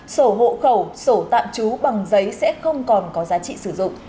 sổ hộ khẩu sổ tạm trú bằng giấy sẽ không còn có giá trị sử dụng